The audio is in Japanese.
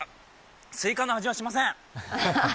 スイカの味はしません！